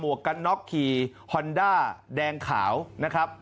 วกกันน็อกขี่ฮอนด้าแดงขาวนะครับ